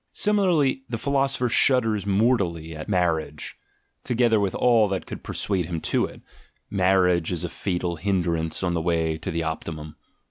Similarly, the philosopher shudders mortally at marriage, together with all that could persuade him to it — marriage as a fatal hindrance on the way to the optimum.